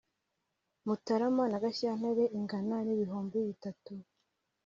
mutarama na gashyantare, ingana n’ibihumbi bitatu